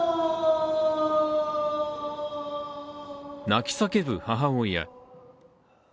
泣き叫ぶ母親。